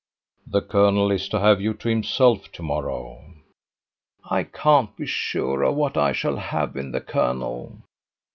"The colonel is to have you to himself to morrow!" "I can't be sure of what I shall have in the colonel!"